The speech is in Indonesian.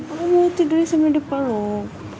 aku mau tidurnya sama depan loh